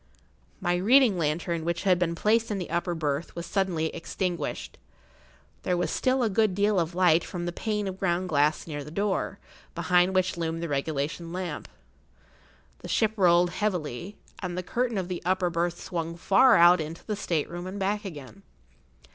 My reading lantern, which had been placed in the upper berth, was suddenly extinguished. There[Pg 65] was still a good deal of light from the pane of ground glass near the door, behind which loomed the regulation lamp. The ship rolled heavily, and the curtain of the upper berth swung far out into the state room and back again.